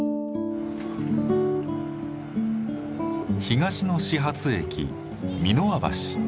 東の始発駅三ノ輪橋。